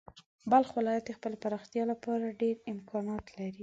بلخ ولایت د خپلې پراختیا لپاره ډېری امکانات لري.